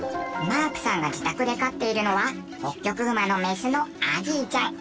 マークさんが自宅で飼っているのはホッキョクグマのメスのアギーちゃん。